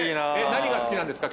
何が好きなんですか？